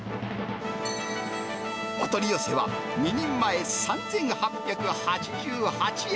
お取り寄せは、２人前３８８８円。